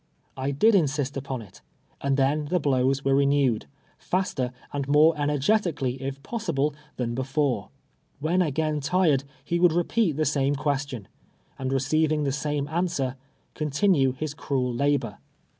I did insist npon it, and then tlie blows were renewed, faster and more energetically, if possible, than before. Wlien again tired, lie would repeat the same (piestion, and receiving the same answer, continue his cruel labor.